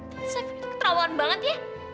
tante saphira tuh ketrawangan banget ya